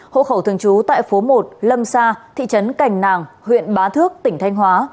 hộ khẩu thường trú tại phố một lâm sa thị trấn cành nàng huyện bá thước tỉnh thanh hóa